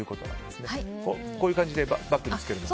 こういう感じでバッグにつけるのも。